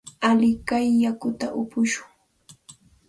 Alikay yakuta upushun.